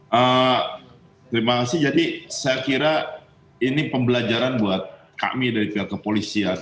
terima kasih jadi saya kira ini pembelajaran buat kami dari pihak kepolisian